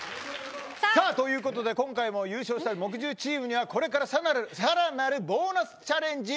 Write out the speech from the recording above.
ということで今回も優勝した木１０チームにはこれからさらなるボーナスチャレンジ